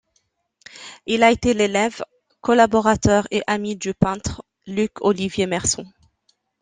Il a été l'élève, collaborateur et ami du peintre Luc-Olivier Merson.